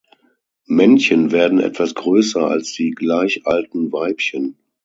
Männchen werden etwas größer als die gleich alten Weibchen.